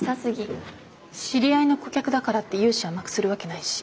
知り合いの顧客だからって融資甘くするわけないし。